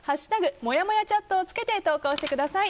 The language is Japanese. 「＃もやもやチャット」を付けて投稿してください。